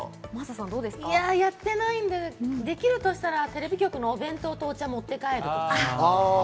やってないんで、できるとしたら、テレビ局のお弁当とお茶を持って帰る。